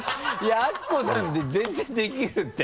アッコさんで全然できるって。